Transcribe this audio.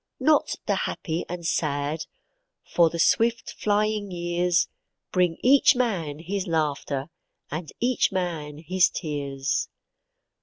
Not the happy and sad, for the swift flying years Bring each man his laughter and each man his tears.